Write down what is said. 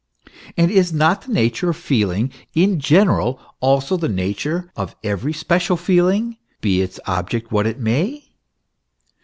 And is not the nature of feeling in general, also the nature of every special feeling, he its object what it may?